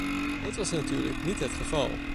Dat was natuurlijk niet het geval.